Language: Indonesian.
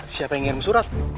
siapa yang ngirim surat